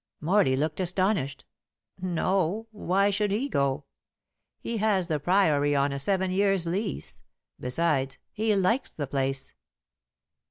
Morley looked astonished. "No. Why should he go? He has the Priory on a seven years' lease. Besides, he likes the place."